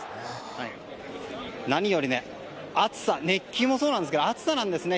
何より熱気もそうですけど暑さなんですね。